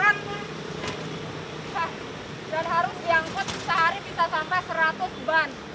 dan harus diangkut sehari bisa sampai seratus ban